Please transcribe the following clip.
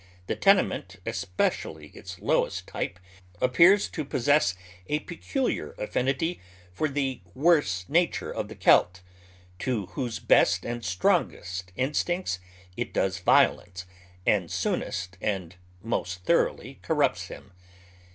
The tenement, especially its lowest type, appears to possess a pecuiiar affinity for the worse nature of the Celt, to whose best and strongest instincts it does violence, and soonest and most thoroughly corrupts him.